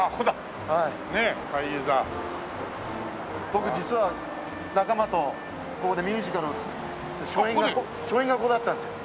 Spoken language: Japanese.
僕実は仲間とここでミュージカルを作って初演が初演がここだったんですよ。